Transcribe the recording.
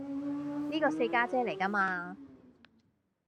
呢個四家姐嚟㗎嘛